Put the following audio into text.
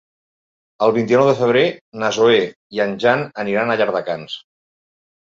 El vint-i-nou de febrer na Zoè i en Jan aniran a Llardecans.